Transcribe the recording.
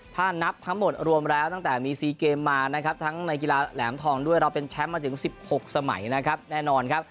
ถ้านับทั้งหมดรวมแล้วตั้งแต่มี๔เกมมานะครับทั้งในกีฬาแหลมทองด้วยเราเป็นแชมป์มาถึง๑๖สมัยนะครับแน่นอนครับ